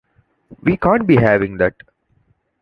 We can't be having that!